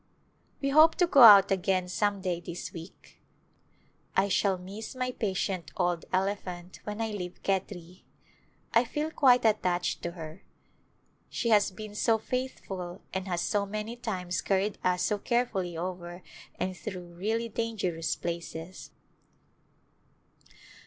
We hope to go out again some day this week. I shall miss my patient old elephant when I leave Khetri. I feel quite attached to her; she has been so faithful and has so many times carried us so carefully over and through really dangerous places.